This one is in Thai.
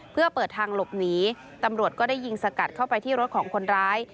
เพื่อเปิดทางหลบหนีตำรวจก็ได้ยิงสกัดเข้าไปที่รถของคนร้าย